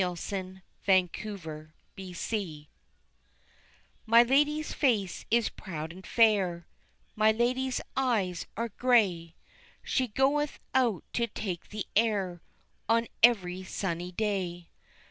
The Courtier's Ladye My ladye's face is proud and fair, My ladye's eyes are grey, She goeth out to take the air On every sunny day.